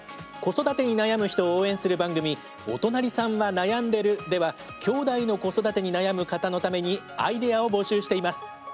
子育てに悩む人を応援する番組「おとなりさんはなやんでる。」ではきょうだいの子育てに悩む方のためにアイデアを募集しています。